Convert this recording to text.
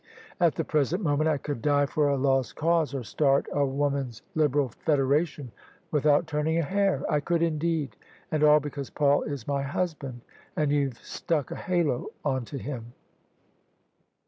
At the present moment I could die for a lost cause or start a Woman's OF ISABEL CARNABY Liberal Federation without turning a hair. I could indeed. And all because Paul is my husband and youVe stuck a halo on to him."